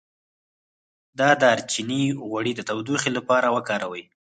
د دارچینی غوړي د تودوخې لپاره وکاروئ